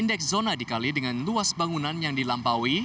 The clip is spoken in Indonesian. indeks zona dikali dengan luas bangunan yang dilampaui